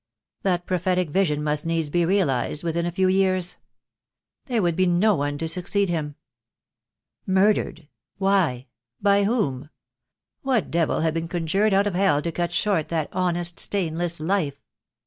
That prophetic vision must needs be realized within a few years. There would be no one to succeed him. Murdered! Why? By whom? What devil had been conjured out of hell to cut short that honest, stainless life?